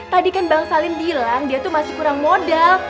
tadi kan bang salim bilang dia tuh masih kurang modal